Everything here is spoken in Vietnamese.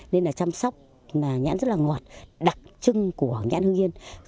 nên là chăm sóc nhãn rất là ngọt đặc trưng của nhãn hương yên